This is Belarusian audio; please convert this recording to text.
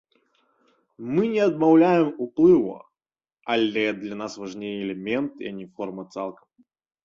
Мы не адмаўляем уплыву, але для нас важней элементы, а не форма цалкам.